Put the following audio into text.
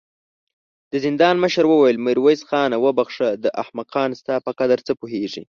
د زندان مشر وويل: ميرويس خانه! وبخښه، دا احمقان ستا په قدر څه پوهېږې.